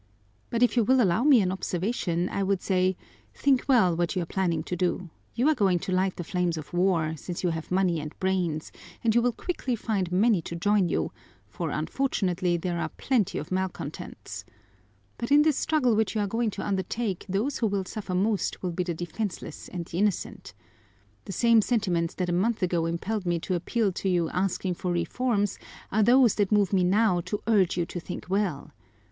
"But if you will allow me an observation, I would say: think well what you are planning to do you are going to light the flames of war, since you have money and brains, and you will quickly find many to join you, for unfortunately there are plenty of malcontents. But in this struggle which you are going to undertake, those who will suffer most will be the defenseless and the innocent. The same sentiments that a month ago impelled me to appeal to you asking for reforms are those that move me now to urge you to think well.